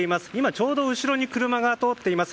ちょうど後ろに車が通っています。